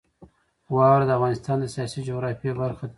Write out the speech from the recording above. واوره د افغانستان د سیاسي جغرافیه برخه ده.